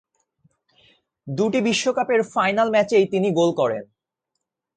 দুটি বিশ্বকাপের ফাইনাল ম্যাচেই তিনি গোল করেন।